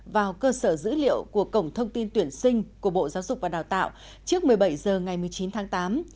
vào cơ sở dữ liệu của cổng thông tin tuyển sinh của bộ giáo dục và đào tạo trước một mươi bảy h ngày một mươi chín tháng tám